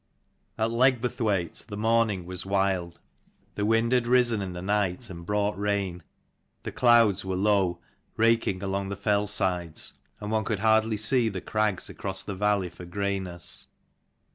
T Legburthwaite the morning was wild. The wind had risen in the night and brought rain. The clouds were low, raking along the fell sides, and one could hardly see the crags across the valley for greyness.